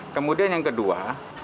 kemudian yang kedua